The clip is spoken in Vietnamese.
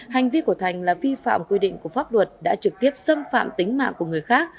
hành vi của thành là vi phạm quy định của pháp luật đã trực tiếp xâm phạm tính mạng của người khác